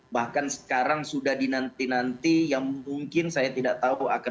bahkan sekarang sudah dinanti nanti yang mungkin saya tidak tahu akan